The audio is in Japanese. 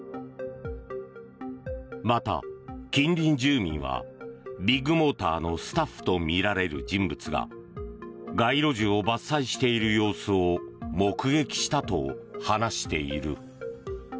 また、近隣住民はビッグモーターのスタッフとみられる人物が街路樹を伐採している様子を目撃したと話している。